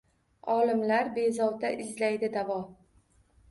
Olimlar bezovta izlaydi davo.